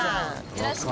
よろしく。